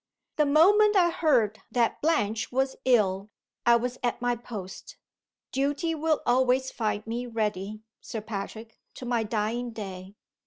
The moment I heard that Blanche was ill I was at my post. Duty will always find me ready, Sir Patrick, to my dying day.